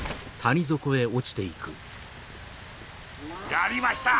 やりました！